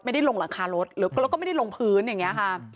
ไม่ได้ลงราคารถแล้วก็ไม่ได้ลงพื้นอย่างงี้ค่ะ